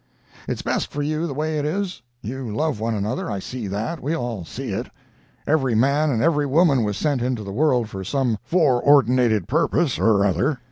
"It's best for you the way it is. You love one another—I see that—we all see it. Every man and every woman was sent into the world for some fore ordinated purpose or other.